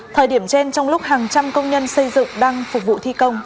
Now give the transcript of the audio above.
thời điểm trên trong lúc hàng trăm công nhân xây dựng đang phục vụ thi công